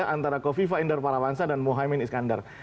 antara kofifa inder parawansa dan mohaimin iskandar